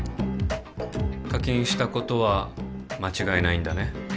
課金したことは間違いないんだね